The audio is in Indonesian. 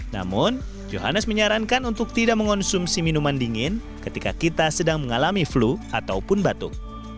namun johannes menyarankan untuk tidak mengonsumsi minuman dingin ketika kita sedang mengalami flu ataupun batuk